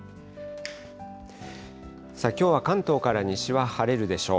きょうは関東から西は晴れるでしょう。